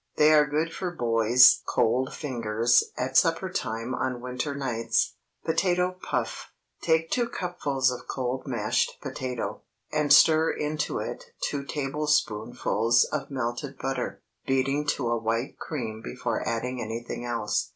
They are good for boys' cold fingers at supper time on winter nights. POTATO PUFF. ✠ Take two cupfuls of cold mashed potato, and stir into it two tablespoonfuls of melted butter, beating to a white cream before adding anything else.